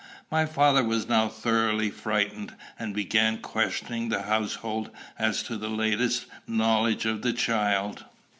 My father was now thoroughly frightened, and began questioning the household as to the latest knowledge of the child.